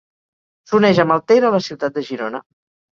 S'uneix amb el Ter a la ciutat de Girona.